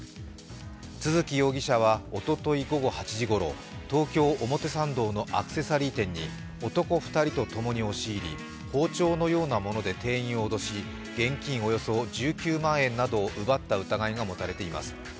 都築容疑者はおととい午後８時ごろ東京・表参道のアクセサリー店に男２人とともに押し入り包丁のようなもので店員を脅し、現金およそ１９万円などを奪った疑いが持たれています。